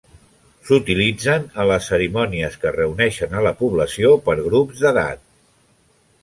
S'utilitzen en les cerimònies que reuneixen a la població per grups d'edat.